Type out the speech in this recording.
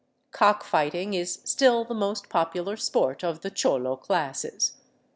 Cock fighting is still the most popular sport of the cholo classes.